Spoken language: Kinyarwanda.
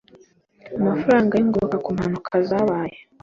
amafaranga y’ingoboka ku mpanuka zabaye